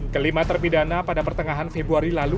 kelima terpidana pada pertengahan februari lalu